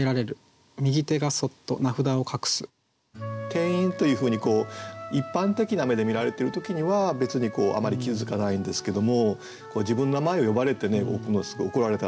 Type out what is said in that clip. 「店員」というふうに一般的な目で見られてる時には別にあまり気付かないんですけども自分の名前を呼ばれてねすごい怒られたらですね